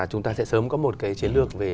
chúng ta sẽ sớm có một cái chiến lược về